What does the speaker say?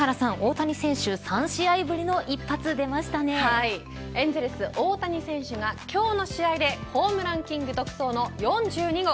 海老原さん、大谷選手３試合ぶりのエンゼルス大谷選手が今日の試合でホームランキング独走の４２号。